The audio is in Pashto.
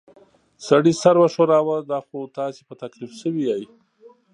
سړي سر وښوراوه: دا خو تاسې په تکلیف شوي ییۍ.